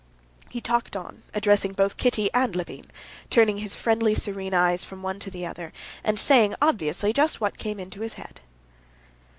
He talked on, addressing both Kitty and Levin, turning his serene, friendly eyes from one to the other, and saying obviously just what came into his head.